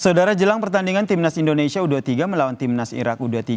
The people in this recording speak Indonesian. saudara jelang pertandingan timnas indonesia u dua puluh tiga melawan timnas irak u dua puluh tiga